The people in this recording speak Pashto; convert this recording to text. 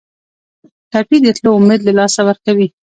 ټپي د تلو امید له لاسه ورکوي.